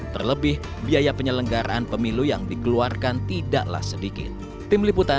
terlebih biaya penyelenggaraan pemilu yang dikeluarkan tidaklah sedikit